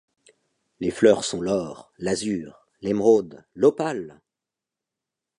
Les fleurs sont l’or, l’azur, l’émeraude, l’opale!